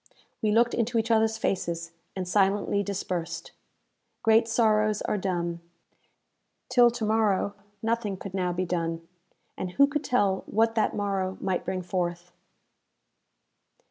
We looked into each others faces, and silently dispersed. Great sorrows are dumb. Till to morrow nothing could now be done, and who could tell what that morrow might bring forth?